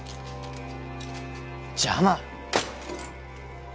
邪魔！